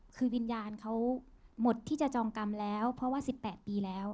คือวิญญาณเขาหมดที่จะจองกรรมแล้วเพราะว่า๑๘ปีแล้ว